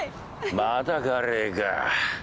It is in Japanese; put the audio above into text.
またカレーか。